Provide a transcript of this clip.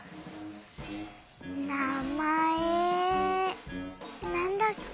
なまえなんだっけ？